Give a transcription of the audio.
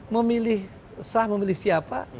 memilih sah memilih siapa